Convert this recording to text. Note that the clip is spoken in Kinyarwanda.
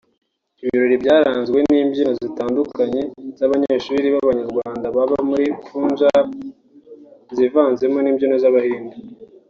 Ibi birori byaranzwe n’imbyino zitandukanye z’abanyeshuri b’abanyarwanda baba muri Punjab zivanze n’imbyino z’abahinde